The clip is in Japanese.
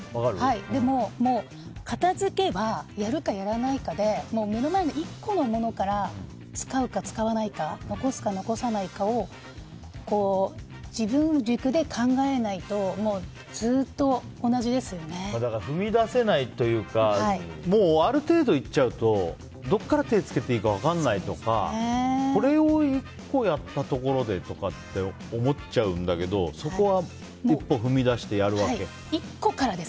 でも、片付けはやるかやらないかで目の前の１個のものから使うか使わないか残すか残さないかを自分の軸で考えないと踏み出せないというかある程度いっちゃうとどこから手を付けていいか分からないとかこれを１個やったところでとかって思っちゃうんだけどそこは一歩踏み出してやるわけ？